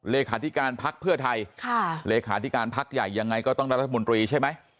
เลขาธิการพักเพื่อไทยเลขาธิการพักใหญ่ยังไงก็ต้องได้รัฐมนตรีใช่ไหม